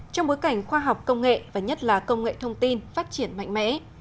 trong bối cảnh khoa học công nghệ và nhất là công nghệ thông tin phát triển mạnh mẽ